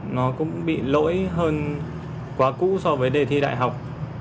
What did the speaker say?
nó cũng bị lỗi hơn quá cũ so với đề thi đại học